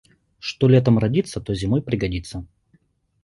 Что летом родится, то зимой пригодится.